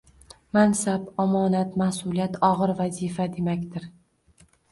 mansab omonat, mas’uliyat, og‘ir vazifa demakdir.